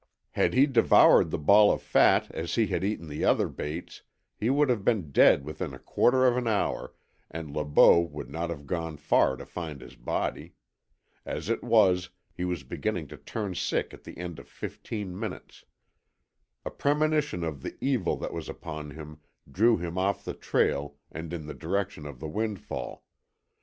Had he devoured the ball of fat as he had eaten the other baits he would have been dead within a quarter of an hour, and Le Beau would not have gone far to find his body. As it was, he was beginning to turn sick at the end of the fifteen minutes. A premonition of the evil that was upon him drew him off the trail and in the direction of the windfall.